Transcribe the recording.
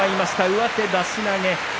上手出し投げ